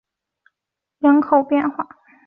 蒙盖亚尔人口变化图示